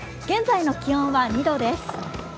現在の気温は２度です。